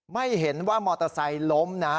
ไม่เห็นว่ามอเตอร์ไซค์ล้มนะ